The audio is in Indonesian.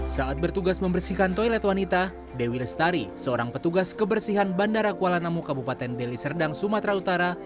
saat bertugas membersihkan toilet wanita dewi lestari seorang petugas kebersihan bandara kuala namu kabupaten deli serdang sumatera utara